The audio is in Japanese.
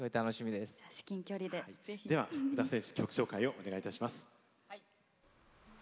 では宇田選手曲紹介をお願いします。